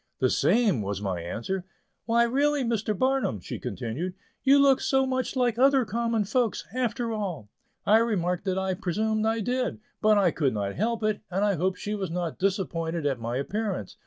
"The same," was my answer. "Why, really, Mr. Barnum," she continued, "you look much like other common folks, after all." I remarked that I presumed I did; but I could not help it, and I hoped she was not disappointed at my appearance.